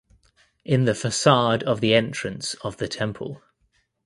In the facade of the entrance of the temple.